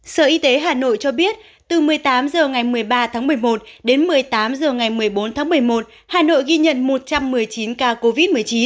sở y tế hà nội cho biết từ một mươi tám h ngày một mươi ba tháng một mươi một đến một mươi tám h ngày một mươi bốn tháng một mươi một hà nội ghi nhận một trăm một mươi chín ca covid một mươi chín